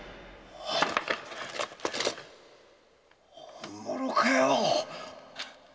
本物かよ